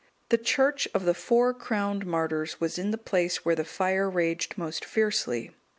The church of the four crowned Martyrs(200) was in the place where the fire raged most fiercely.